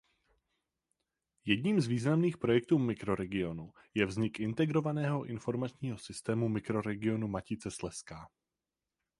Jedním z významných projektů mikroregionu je vznik "Integrovaného Informačního Systému Mikroregionu Matice Slezská".